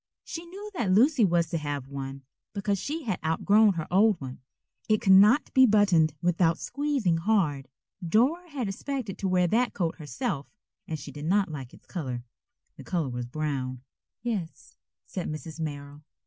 She knew that Lucy was to have one, because she had outgrown her old one. It could not be buttoned without squeezing hard. Dora had expected to wear that coat herself, and she did not like its color. The color was brown. "Yes," said Mrs. Merrill.